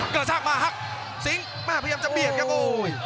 กระชากมาฮักซิงค์แม่พยายามจะเบียดครับโอ้ย